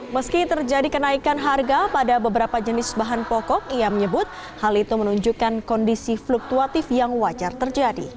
meski terjadi kenaikan harga pada beberapa jenis bahan pokok ia menyebut hal itu menunjukkan kondisi fluktuatif yang wajar terjadi